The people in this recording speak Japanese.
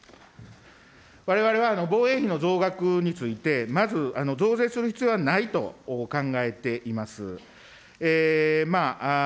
われわれは防衛費の増額について、まず増税する必要はないと考えています。